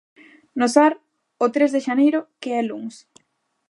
No Sar o tres de xaneiro que é luns.